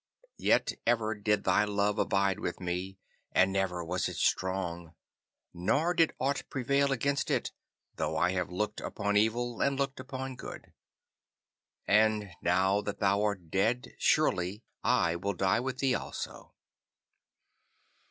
Yet ever did thy love abide with me, and ever was it strong, nor did aught prevail against it, though I have looked upon evil and looked upon good. And now that thou art dead, surely I will die with thee also.